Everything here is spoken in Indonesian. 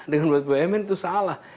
dengan buat bumn itu salah